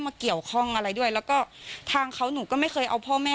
มาเกี่ยวข้องอะไรด้วยแล้วก็ทางเขาหนูก็ไม่เคยเอาพ่อแม่